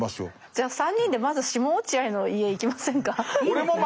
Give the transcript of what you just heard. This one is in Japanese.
じゃあ３人でまず下落合の家行きませんか。